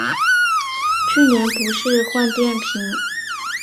去年不是换电瓶